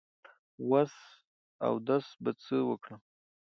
وس اودس په څۀ وکړم